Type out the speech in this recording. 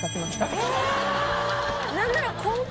何なら。